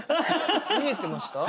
見えてました？